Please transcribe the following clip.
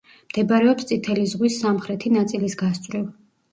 მდებარეობს წითელი ზღვის სამხრეთი ნაწილის გასწვრივ.